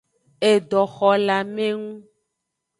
Edoxolamengu.